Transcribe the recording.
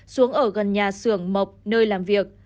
xuống ở gần nhà xưởng mộc nơi làm việc